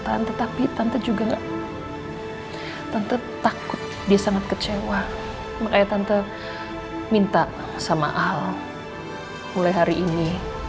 tante tapi tante juga nggak tante takut dia sangat kecewa makanya tante minta sama al mulai hari ini